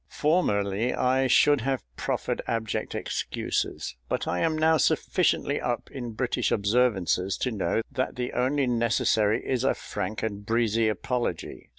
Formerly I should have proffered abject excuses, but I am now sufficiently up in British observances to know that the only necessary is a frank and breezy apology.